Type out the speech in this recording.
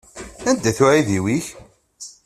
Anda-t uɛewdiw-ik?